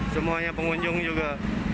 semuanya pengunjung juga